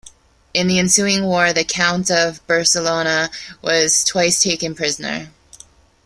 In the ensuing war the Count of Barcelona was twice taken prisoner.